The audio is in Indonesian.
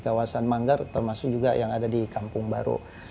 kawasan manggar termasuk juga yang ada di kampung baru